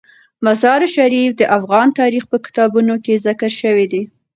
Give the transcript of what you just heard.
مزارشریف د افغان تاریخ په کتابونو کې ذکر شوی دي.